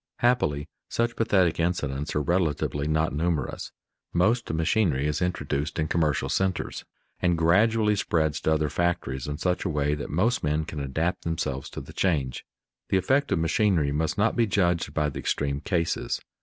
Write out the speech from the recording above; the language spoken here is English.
Happily such pathetic incidents are relatively not numerous. Most machinery is introduced in commercial centers, and gradually spreads to other factories in such a way that most men can adapt themselves to the change. The effect of machinery must not be judged by the extreme cases.